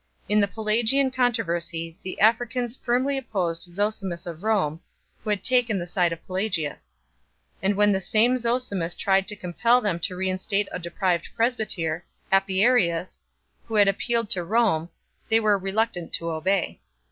In the Pelagian con troversy the Africans firmly opposed Zosimus of Rome, who had taken the side of Pelagius. And when the same Zosimus tried to compel them to reinstate a deprived presbyter, Apiarius, who had appealed to Rome, they were reluctant to obey.